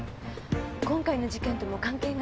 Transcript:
今回の事件とも関係が？